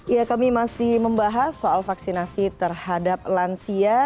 ya kami masih membahas soal vaksinasi terhadap lansia